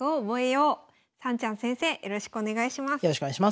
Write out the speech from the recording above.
よろしくお願いします。